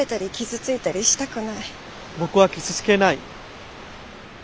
僕は傷つけない。